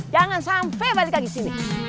jangan sampe balik lagi kesini